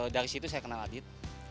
dari situ saya kenal adit